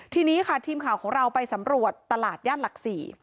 ทีนี้ค่ะทีมข่าวของเราไปสำรวจตลาดย่านหลัก๔